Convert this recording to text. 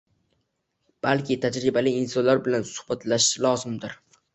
Balki tajribali insonlar bilan suhbatlashish lozimdir.